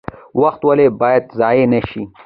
وخت ولې باید ضایع نشي؟